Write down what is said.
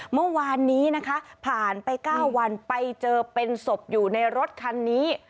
เมื่อวานนี้นะคะผ่านไป๙วันไปเจอเป็นศพอยู่ในรถคันนี้